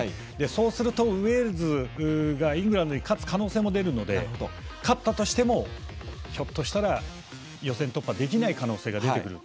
そうするとウェールズがイングランドに勝つ可能性も出るので勝ったとしてもひょっとしたら予選突破できない可能性が出てくる。